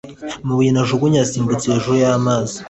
amabuye najugunye yasimbutse hejuru y'amazi